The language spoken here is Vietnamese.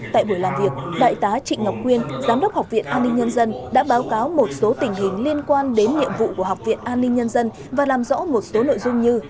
tại buổi làm việc đại tá trịnh ngọc quyên giám đốc học viện an ninh nhân dân đã báo cáo một số tình hình liên quan đến nhiệm vụ của học viện an ninh nhân dân và làm rõ một số nội dung như